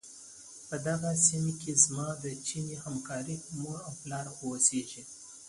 په دغې سيمې کې زما د چيني همکارې مور او پلار اوسيږي.